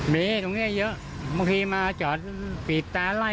มีตรงนี้เยอะบางทีมาจอดปิดตาไล่